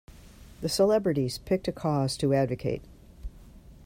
The celebrities picked a cause to advocate.